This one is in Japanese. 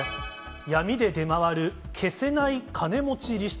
闇で出回る消せない金持ちリスト。